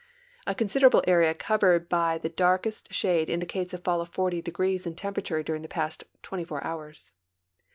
A considerable area covered by the darkest shade indicates a fall of 40 degrees in temperature during the past 24 hours.